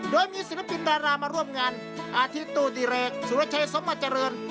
โดยมีศิลปินดารามาร่วมงานอาทิตโต้ดีเรกสุรชัยสมบัติเจริญ